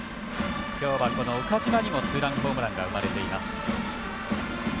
今日は、岡島にもツーランホームランが生まれています。